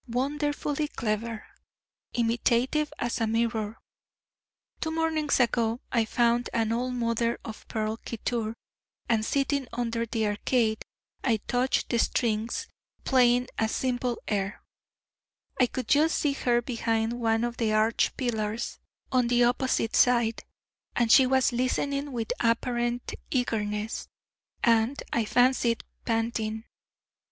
Wonderfully clever! imitative as a mirror. Two mornings ago I found an old mother of pearl kittur, and sitting under the arcade, touched the strings, playing a simple air; I could just see her behind one of the arch pillars on the opposite side, and she was listening with apparent eagerness, and, I fancied, panting.